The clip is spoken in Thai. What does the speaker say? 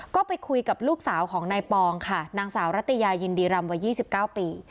ก็ไปคุยกับลูกสาวของนายปองค่ะนางสาวรัตยายินดีรำวัย๒๙ปี